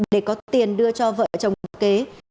để có tiền đưa cho vợ chồng kế